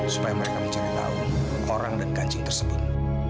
supaya mereka mencari tahu orang dan kancing tersebut